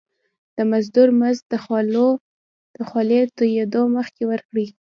د مزدور مزد د خولي د تويدو مخکي ورکړی.